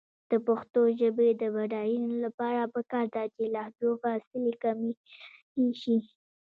د پښتو ژبې د بډاینې لپاره پکار ده چې لهجو فاصلې کمې شي.